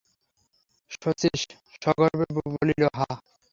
শচীশ সগর্বে বলিল, হাঁ।